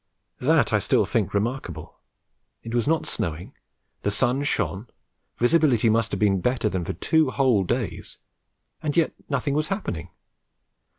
That I still think remarkable. It was not snowing; the sun shone; visibility must have been better than for two whole days; and yet nothing was happening.